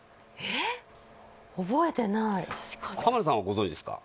覚えてない浜田さんはご存じですか？